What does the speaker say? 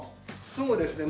そうですね。